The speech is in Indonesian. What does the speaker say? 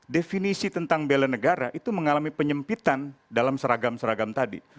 definisi tentang bela negara itu mengalami penyempitan dalam seragam seragam tadi